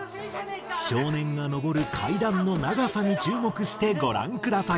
少年が上る階段の長さに注目してご覧ください。